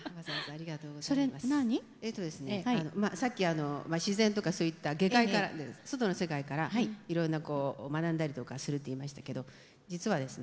えとですねさっき自然とかそういった外界から外の世界からいろんなこう学んだりとかするって言いましたけど実はですね